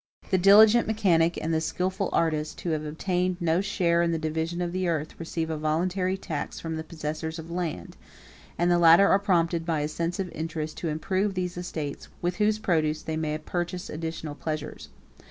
The diligent mechanic, and the skilful artist, who have obtained no share in the division of the earth, receive a voluntary tax from the possessors of land; and the latter are prompted, by a sense of interest, to improve those estates, with whose produce they may purchase additional pleasures.